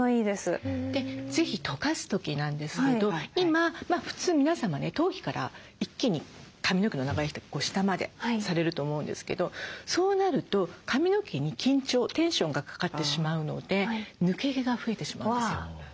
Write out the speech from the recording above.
ぜひとかす時なんですけど今普通皆様ね頭皮から一気に髪の毛の長い人は下までされると思うんですけどそうなると髪の毛に緊張テンションがかかってしまうので抜け毛が増えてしまうんですよ。